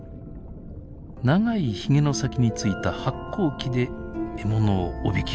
長いヒゲの先についた発光器で獲物をおびき寄せます。